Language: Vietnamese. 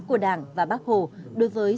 của đảng và bác hồ đối với